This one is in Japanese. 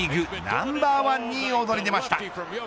ナンバーワンに躍り出ました。